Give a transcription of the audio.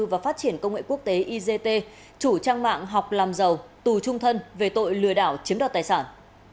và phát triển công nghệ quốc tế igt chủ trang mạng học làm giàu tù trung thân về tội lừa đảo chiếm đoạt tài sản